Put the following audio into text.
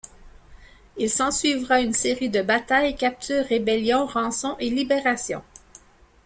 Il s'ensuivra une série de batailles, captures, rébellions, rançons et libérations.